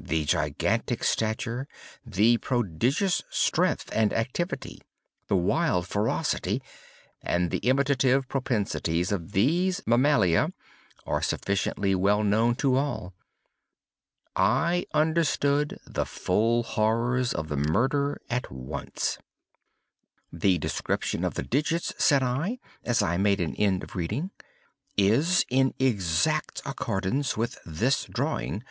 The gigantic stature, the prodigious strength and activity, the wild ferocity, and the imitative propensities of these mammalia are sufficiently well known to all. I understood the full horrors of the murder at once. "The description of the digits," said I, as I made an end of reading, "is in exact accordance with this drawing.